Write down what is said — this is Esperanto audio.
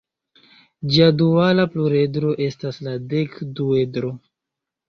Ĝia duala pluredro estas la dekduedro.